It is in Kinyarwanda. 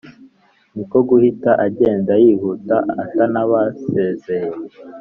niko guhita agenda yihuta atanabasezeye